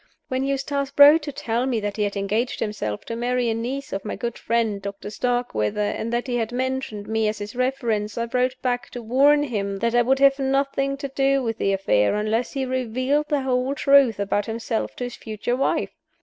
When Eustace wrote to tell me that he had engaged himself to marry a niece of my good friend Doctor Starkweather, and that he had mentioned me as his reference, I wrote back to warn him that I would have nothing to do with the affair unless he revealed the whole truth about himself to his future wife.